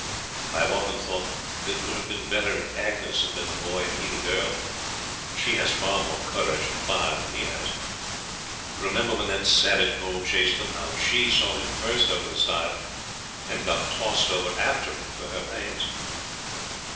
I have often thought that it would have been better if Agnes had been the boy and he the girl; she has far more courage and fire than he has. You remember when that savage bull chased them, how she saw him first over the stile and got tossed over after him for her pains?"